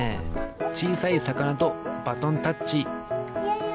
ちいさいさかなとバトンタッチ。